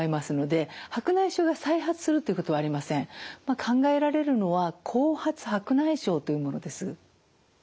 考えられるのは後発白内障というものです。